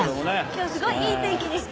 「今日すごいいい天気でした」